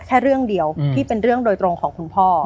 แค่เรื่องเดียวที่เป็นเรื่องโดยตรงของคุณพ่อ